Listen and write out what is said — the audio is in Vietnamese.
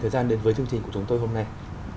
thời gian đến với chương trình của chúng tôi hôm nay